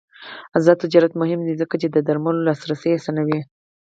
آزاد تجارت مهم دی ځکه چې د درملو لاسرسی اسانوي.